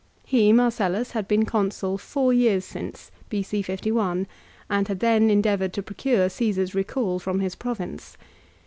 He, Marcellus, had been Consul four years since, B.C. 51, and had then endeavoured to procure Caesar's recall from his province.